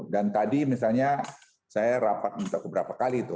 dan tadi misalnya saya rapat minta ke beberapa kali itu